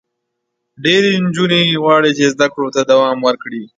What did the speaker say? ډېری نجونې غواړي چې زده کړو ته دوام ورکړي.